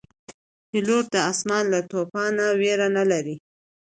پیلوټ د آسمان له توپانه نه ویره نه لري.